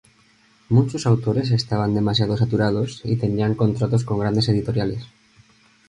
Muchos autores estaban demasiado saturados y tenían contratos con grandes editoriales.